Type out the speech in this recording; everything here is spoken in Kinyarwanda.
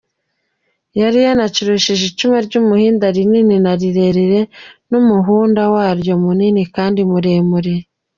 Yari yanacurishije icumu ry’umuhida rinini na rirerire, n’umuhunda waryo munini kandi muremure.